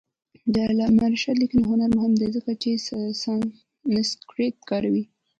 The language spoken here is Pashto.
د علامه رشاد لیکنی هنر مهم دی ځکه چې سانسکریت کاروي.